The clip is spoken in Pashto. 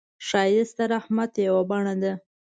ښایست د رحمت یو بڼه ده